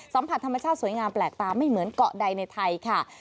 สัมผัสธรรมชาติสวยงามแปลกตาไม่เหมือนเกาะใดในไทยค่ะ